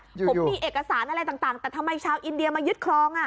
ผมมีเอกสารอะไรต่างแต่ทำไมชาวอินเดียมายึดครอง